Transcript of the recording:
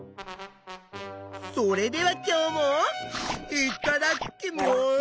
それでは今日もいっただっきます！